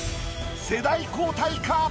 世代交代か？